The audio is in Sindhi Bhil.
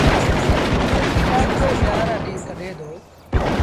اُئي ڪتآب تي ويهآݩ رآ ڏيٚݩهݩ ڪڍي دو۔